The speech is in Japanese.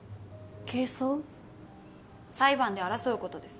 裁判で争うことです。